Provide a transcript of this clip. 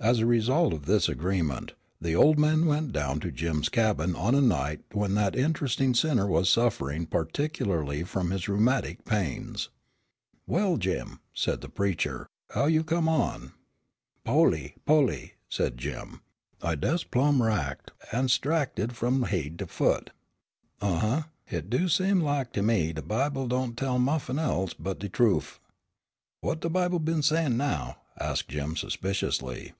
As a result of this agreement, the old man went down to Jim's cabin on a night when that interesting sinner was suffering particularly from his rheumatic pains. "Well, Jim," the preacher said, "how you come on?" "Po'ly, po'ly," said Jim, "I des' plum' racked an' 'stracted f'om haid to foot." "Uh, huh, hit do seem lak to me de Bible don' tell nuffin' else but de trufe." "What de Bible been sayin' now?" asked Jim suspiciously.